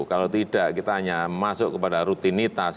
kalau tidak kita hanya masuk kepada rutinitas